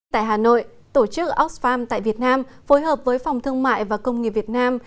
tại hà nội tổ chức oxfam tại việt nam phối hợp với phòng thương mại và công nghiệp việt nam